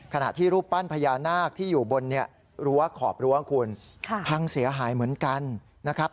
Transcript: ขณะที่รูปปั้นพญานาคที่อยู่บนรั้วขอบรั้วคุณพังเสียหายเหมือนกันนะครับ